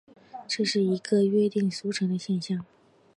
这是一个约定俗成的现像。